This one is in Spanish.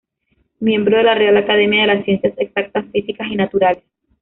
Miembro de la Real Academia de las Ciencias Exactas, Físicas y Naturales.